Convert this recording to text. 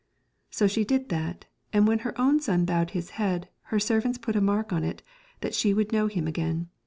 So she did that, and when her own son bowed his head, her servants put a mark on him that she would know him again.